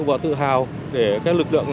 và tự hào để các lực lượng